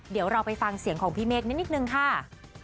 เดี๋ยวเราไปฟังเสียงของพี่เมฆนิดนึงค่ะ